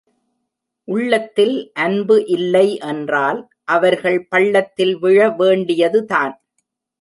உள்ளத்தில் அன்பு இல்லை என்றால் அவர்கள் பள்ளத்தில் விழ வேண்டியதுதான்.